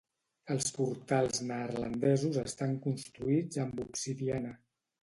Els portals neerlandesos estan construïts amb obsidiana.